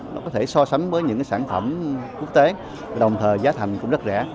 nó có thể so sánh với những cái sản phẩm quốc tế đồng thời giá thành cũng rất rẻ